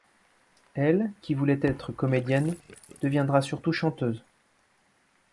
Elle, qui voulait être comédienne, deviendra surtout chanteuse.